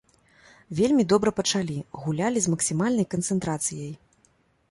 Вельмі добра пачалі, гулялі з максімальнай канцэнтрацыяй.